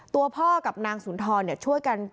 ตัวพ่อกับนางสุนทรช่วยกัน